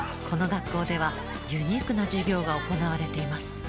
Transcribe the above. この学校ではユニークな授業が行われています。